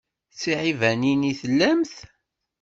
D tiɛibanin i tellamt?